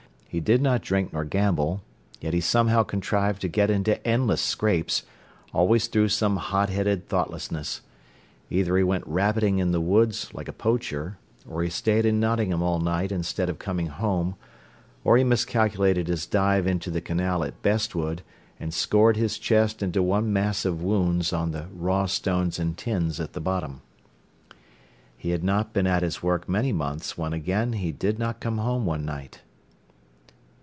He did not drink nor gamble. Yet he somehow contrived to get into endless scrapes, always through some hot headed thoughtlessness. Either he went rabbiting in the woods, like a poacher, or he stayed in Nottingham all night instead of coming home, or he miscalculated his dive into the canal at Bestwood, and scored his chest into one mass of wounds on the raw stones and tins at the bottom. He had not been at his work many months when again he did not come home one night.